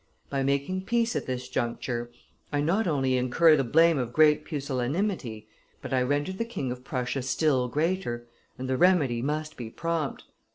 By making peace at this juncture, I not only incur the blame of great pusillanimity, but I render the king of Prussia still greater, and the remedy must be prompt.